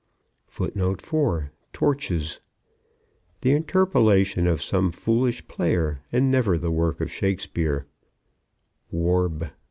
4. Torches. The interpolation of some foolish player and never the work of Shakespeare (Warb.).